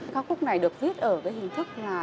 các khúc này được viết ở cái hình thức là